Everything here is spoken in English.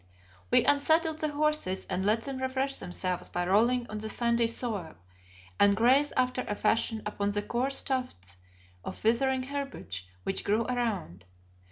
We unsaddled the horses and let them refresh themselves by rolling on the sandy soil, and graze after a fashion upon the coarse tufts of withering herbage which grew around.